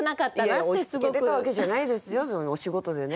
いやいや押しつけてたわけじゃないですよお仕事でね。